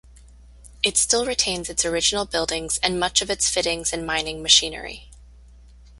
It still retains its original buildings and much of its fittings and mining machinery.